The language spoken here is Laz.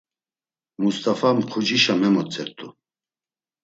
Must̆afa mxucişa memotzert̆u.